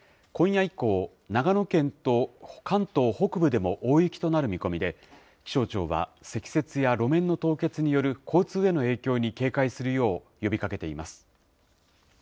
今夜以降、長野県と関東北部でも大雪となる見込みで、気象庁は積雪や路面の凍結による交通への影響に警戒するよう呼びかけています。